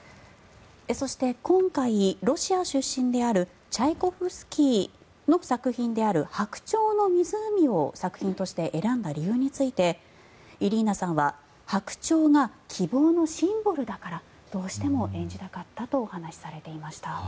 そして、今回、ロシア出身であるチャイコフスキーの作品である「白鳥の湖」を作品として選んだ理由についてイリーナさんは白鳥が希望のシンボルだからどうしても演じたかったとお話しされていました。